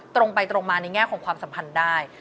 ตรงไปตรงมาในแง่ของความสัมพันธ์ได้